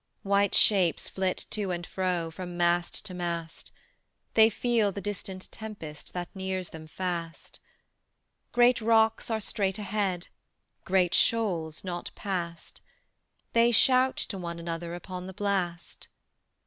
White shapes flit to and fro From mast to mast; They feel the distant tempest That nears them fast: Great rocks are straight ahead, Great shoals not past; They shout to one another Upon the blast.